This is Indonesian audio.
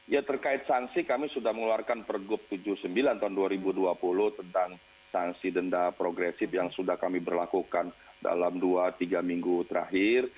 ya terkait sanksi kami sudah mengeluarkan pergub tujuh puluh sembilan tahun dua ribu dua puluh tentang sanksi denda progresif yang sudah kami berlakukan dalam dua tiga minggu terakhir